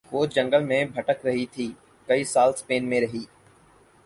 وہ جنگل میں بھٹک رہی تھی کئی سال سپین میں رہیں